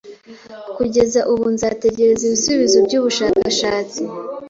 Kugeza ubu, nzategereza ibisubizo byubushakashatsi.